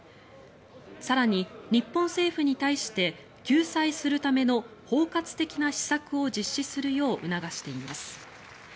更に日本政府に対して救済するための包括的な施策を実施するよう促しています。